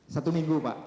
tujuh belas satu minggu